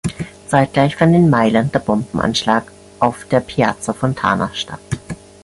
Zeitgleich fand in Mailand der Bombenanschlag auf der Piazza Fontana statt.